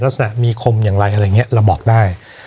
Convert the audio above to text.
ลักษณะมีคมอย่างไรอะไรอย่างนี้เราบอกได้